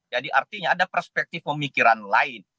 jadi artinya ada perspektif pemikiran lain